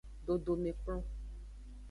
Dodomekplon.